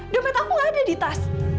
dompet aku gak ada di tas